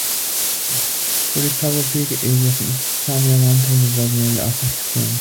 "Polikarpov Peak" in the Pamir Mountains was named after him.